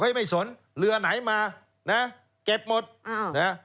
ไม่สนเรือไหนมานะเก็บหมดอ่านะฮะ